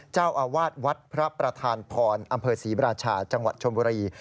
เจ้าอาวาสวัดพระประธานพรอำเภอศรีราชาจังหวัดชมบุรี